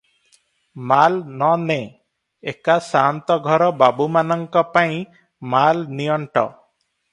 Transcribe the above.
ମାଲ୍ ନ ନେ, ଏକା ସାଆନ୍ତଘର ବାବୁମାନଙ୍କ ପାଇଁ ମାଲ ନିଅଣ୍ଟ ।